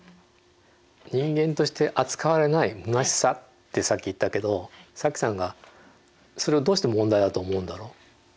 人間として扱われないむなしさってさっき言ったけど早紀さんがそれをどうして問題だと思うんだろう？